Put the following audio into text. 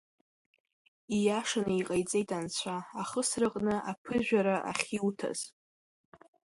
Ииашаны иҟаиҵеит Анцәа, ахысраҟны аԥыжәара ахьиуҭаз!